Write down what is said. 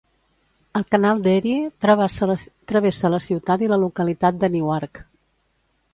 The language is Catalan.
El canal d'Erie travessa la ciutat i la localitat de Newark.